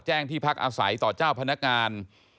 ที่พักอาศัยต่อเจ้าพนักงาน